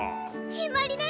決まりね！